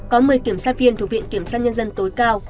có một mươi kiểm soát viên thuộc viện kiểm soát nhân dân tối cao